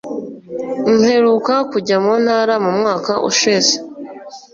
Mperuka kujya muntara mumwaka ushize